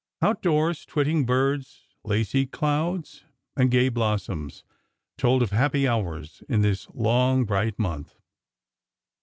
Out doors, twitting birds, lacy clouds, and gay blossoms, told of happy hours in this long, bright month.